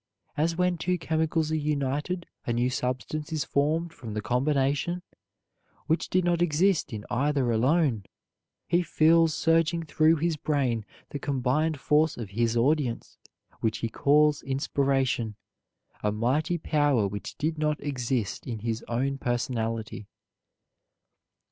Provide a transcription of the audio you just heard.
As when two chemicals are united, a new substance is formed from the combination, which did not exist in either alone, he feels surging through his brain the combined force of his audience, which he calls inspiration, a mighty power which did not exist in his own personality.